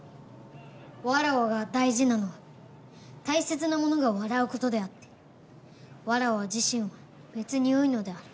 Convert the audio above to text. わらわが大事なのは大切な者が笑う事であってわらわ自身は別によいのである。